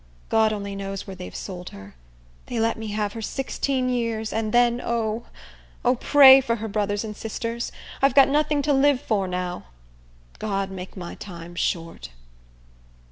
God only knows where they've sold her. They let me have her sixteen years, and then—O! O! Pray for her brothers and sisters! I've got nothing to live for now. God make my time short!"